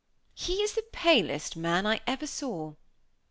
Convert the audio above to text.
"He is the palest man I ever saw."